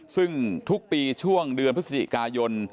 ซึ่งทุกปีช่วงเดือนพฤศจิกายน